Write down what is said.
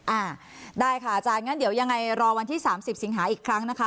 อ่าได้ค่ะอาจารย์งั้นเดี๋ยวยังไงรอวันที่๓๐สิงหาอีกครั้งนะคะ